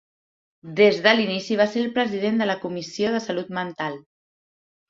Des de l'inici va ser el president de la Comissió de Salut Mental.